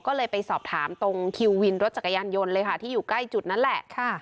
ก็เลยไปสอบถามตรงคิววินรถจักรยานยนต์เลยค่ะที่อยู่ใกล้จุดนั้นแหละ